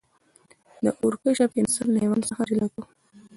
د اور کشف انسان له حیوان څخه جلا کړ.